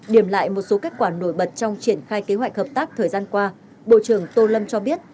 điểm lại một số kết quả nổi bật trong triển khai kế hoạch hợp tác thời gian qua bộ trưởng tô lâm cho biết